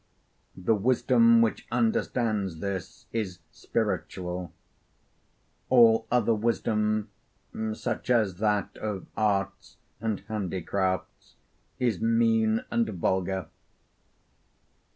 The wisdom which understands this is spiritual; all other wisdom, such as that of arts and handicrafts, is mean and vulgar.